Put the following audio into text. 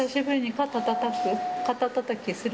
肩たたきする？